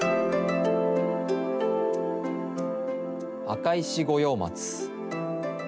赤石五葉松。